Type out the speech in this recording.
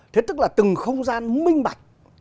thế tức là từng không gian minh bạch